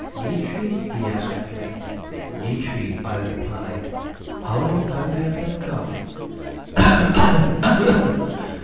"Nitre?" he asked, at length. "Nitre," I replied. "How long have you had that cough?" "Ugh!